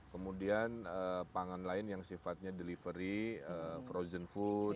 kemudian pangan lain yang sifatnya delivery frozen food